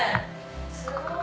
すごい。